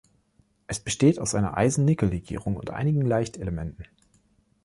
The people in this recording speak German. Es besteht aus einer Eisen-Nickel-Legierung und einigen Leichtelementen.